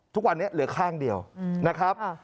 ทุกวันนี้เหลือข้างเดียวนะครับ